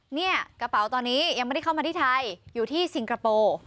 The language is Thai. เนี่ยกระเป๋าตอนนี้ยังไม่ได้เข้ามาที่ไทยอยู่ที่สิงคโปร์